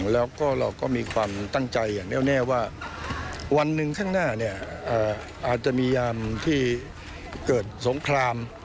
แล้วก็เราก็มีความตั้งใจอย่างแน่วแน่ว่าวันหนึ่งข้างหน้าอาจจะมียามที่เกิดสงคราม